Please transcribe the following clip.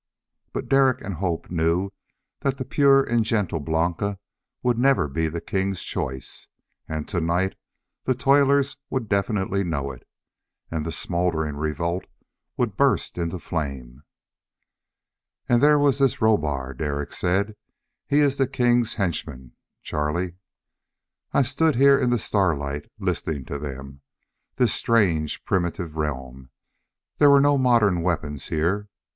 But Derek and Hope both knew that the pure and gentle Blanca would never be the king's choice. And to night the toilers would definitely know it, and the smoldering revolt would burst into flame. And there was this Rohbar. Derek said, "He is the king's henchman, Charlie." I stood here in the starlight, listening to them. This strange primitive realm. There were no modern weapons here.